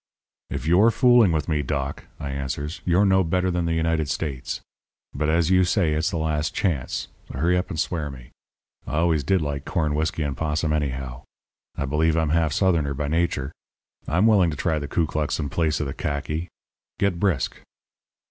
"'If you're fooling with me, Doc,' I answers, 'you're no better than the United States. But as you say it's the last chance, hurry up and swear me. I always did like corn whisky and 'possum anyhow. I believe I'm half Southerner by nature. I'm willing to try the Klu klux in place of the khaki. Get brisk.'